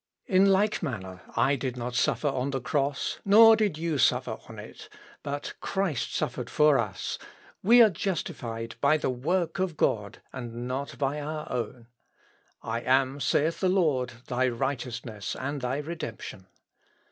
In like manner, I did not suffer on the cross, nor did you suffer on it; but Christ suffered for us; we are justified by the work of God, and not by our own.... 'I am,' saith the Lord, 'thy righteousness and thy redemption.'...